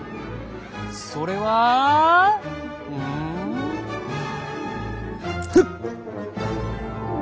それはうんふっ！